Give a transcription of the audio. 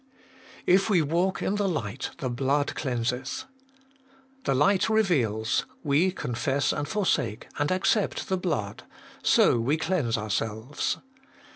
7. If we walk in the light, the blood cleanseth. The light reveals ; we confess and forsake, and accept the blood ; so we cleanse ourselves.